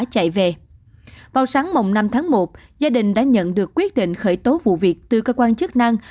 hôm tháng một gia đình đã nhận được quyết định khởi tố vụ việc từ cơ quan chức năng